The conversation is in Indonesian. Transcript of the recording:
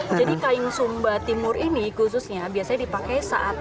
jadi kain sumba timur ini khususnya biasanya dipakai saat